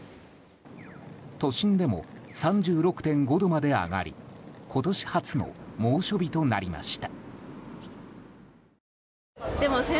都心でも３６．５度まで上がり今年初の猛暑日となりました。